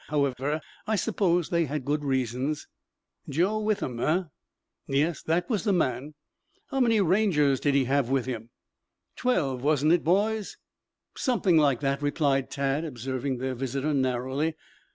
However, I suppose they had good reasons." "Joe Withem, eh?" "Yes, that was the man." "How many Rangers did behave with him?" "Twelve, wasn't it, boys?" "Something like that," replied Tad, observing their visitor narrowly.